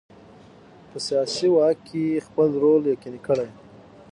په سیاسي واک کې خپل رول یقیني کړي.